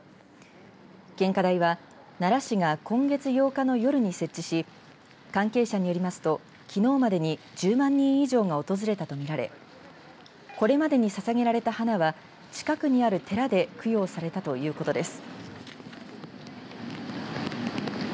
献花台は奈良市が今月８日の夜に設置し関係者によりますときのうまでに１０万人以上が訪れたとみられこれまでに、ささげられた花は近くにある寺で供養されたということです。